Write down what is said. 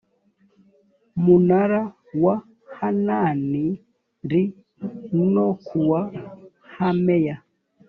munara wa hanan li no ku wa hameya